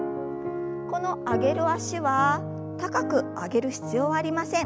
この上げる脚は高く上げる必要はありません。